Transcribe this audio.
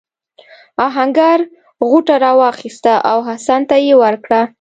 آهنګر غوټه راواخیسته او حسن ته یې ورکړه.